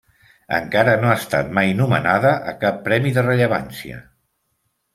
Encara no ha estat mai nomenada a cap premi de rellevància.